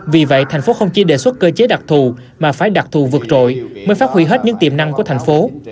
vì vậy thành phố không chỉ đề xuất cơ chế đặc thù mà phải đặc thù vượt trội mới phát huy hết những tiềm năng của thành phố